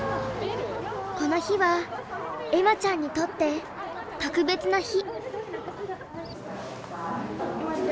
この日は恵麻ちゃんにとって特別な日。